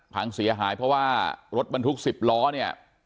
พังเสียหายเพราะว่ารถบรรทุก๑๐ล้อเนี่ย